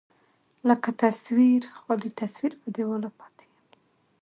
لکه تصوير، خالي تصوير په دېواله پاتې يم